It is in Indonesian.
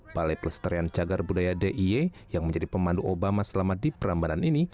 balai pelestarian cagar budaya d i e yang menjadi pemandu obama selama di prambanan ini